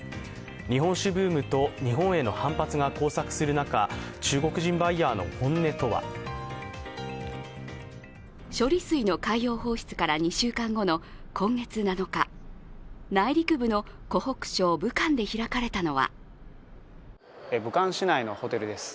日本酒ブームと日本への反発が交錯する中、中国人バイヤーの本音とは処理水の海洋放出から２週間後の今月７日、内陸部の湖北省武漢で開かれたのは武漢市内のホテルです。